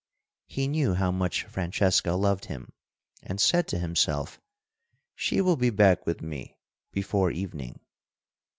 He knew how much Francesca loved him, and said to himself: "She will be back with me before evening."